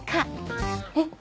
えっ？